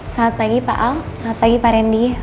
selamat pagi pak al selamat pagi pak randy